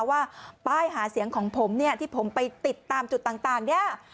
ว่าป้ายหาเสียงของผมเนี่ยที่ผมไปติดตามจุดต่างเนี่ย